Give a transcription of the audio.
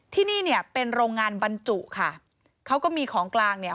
ที่นี่เนี่ยเป็นโรงงานบรรจุค่ะเขาก็มีของกลางเนี่ย